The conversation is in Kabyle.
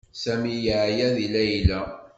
Sami yeɛya deg Layla.